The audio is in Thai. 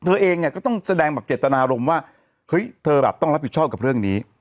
เธอเองเนี่ยก็ต้องแสดงแบบเจตนารมณ์ว่าเฮ้ยเธอแบบต้องรับผิดชอบกับเรื่องนี้